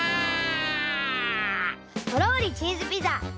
とろりチーズピザ。